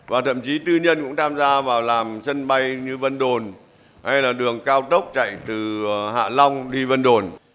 và thậm chí tư nhân cũng tham gia vào làm sân bay như vân đồn hay là đường cao tốc chạy từ hạ long đi vân đồn